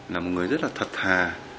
là một người rất là thật thà